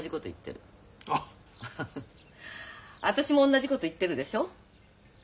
私も同じこと言ってるでしょう。